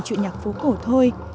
chuyện nhạc phố cổ thôi